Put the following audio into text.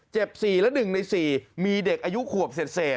เจ็บ๔และ๑ใน๔มีเด็กอายุขวบเสร็จ